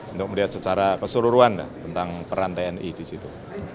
untuk melihat secara keseluruhan tentang peran tni di situ